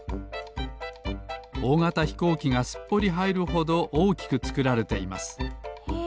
おおがたひこうきがすっぽりはいるほどおおきくつくられていますへえ！